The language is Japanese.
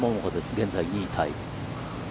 現在２位タイ。